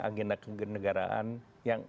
agenda kenegaraan yang